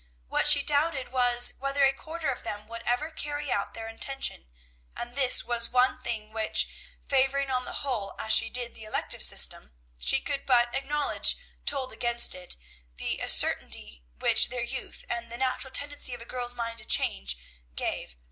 What she doubted was, whether a quarter of them would ever carry out their intention; and this was one thing which, favoring on the whole as she did the elective system, she could but acknowledge told against it, the uncertainty which their youth, and the natural tendency of a girl's mind to change, gave.